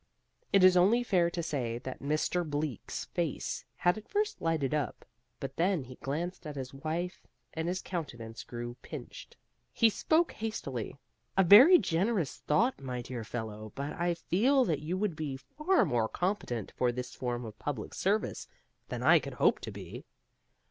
It is only fair to say that Mr. Bleak's face had at first lighted up, but then he glanced at his wife and his countenance grew pinched. He spoke hastily: "A very generous thought, my dear fellow; but I feel that you would be far more competent for this form of public service than I could hope to be."